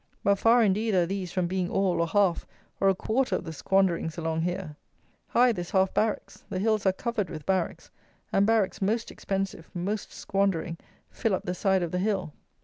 But far indeed are these from being all, or half, or a quarter of the squanderings along here. Hythe is half barracks; the hills are covered with barracks; and barracks most expensive, most squandering, fill up the side of the hill.